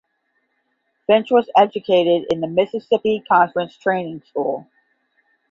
Finch was educated in the Mississippi Conference Training School.